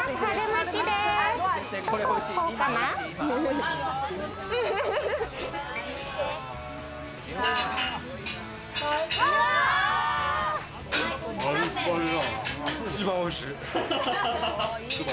一番おいしい。